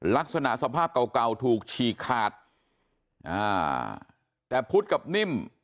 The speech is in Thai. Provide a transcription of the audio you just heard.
ลักษณะสภาพเก่าเก่าถูกฉีกขาดอ่าแต่พุทธกับนิ่ม